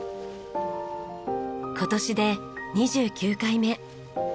今年で２９回目。